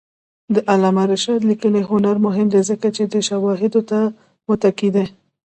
د علامه رشاد لیکنی هنر مهم دی ځکه چې شواهدو ته متکي دی.